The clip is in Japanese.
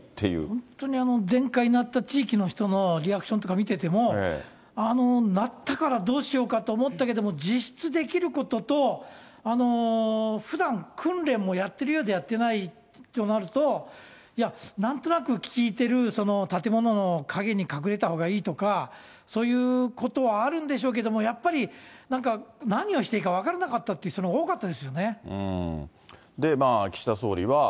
本当に前回鳴った地域の人のリアクションとか見てても、鳴ったからどうしようかと思ったけど、実質できることと、ふだん訓練もやってるようでやってないとなると、いや、なんとなく聞いてる建物の陰に隠れたほうがいいとか、そういうことはあるんでしょうけども、やっぱりなんか何をしていいか分からなかったっていう人のほうが岸田総理は。